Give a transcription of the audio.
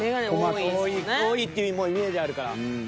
多いっていうイメージあるから。